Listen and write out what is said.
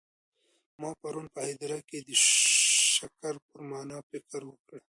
ما پرون په هدیره کي د شکر پر مانا فکر وکړی.